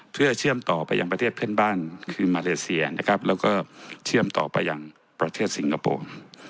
เพื่อเชื่อมต่อไปยังประเทศเพื่อนบ้านคือมาเลเซียนะครับแล้วก็เชื่อมต่อไปยังประเทศสิงคโปร์